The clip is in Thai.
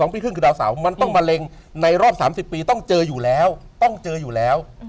๒ปีครึ่งคือดาวเสามันต้องมาเร่งในรอบ๓๐ปีต้องเจออยู่แล้ว